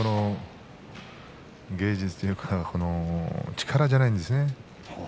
芸術的というか力じゃないんですね。